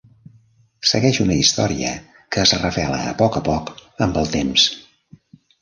Segueix una història que es revela a poc a poc amb el temps.